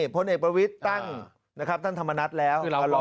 พลเอกประวิทย์ตั้งท่านธรรมนัสแล้ว